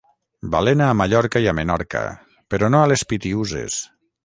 Balena a Mallorca i a Menorca, però no a les Pitiüses.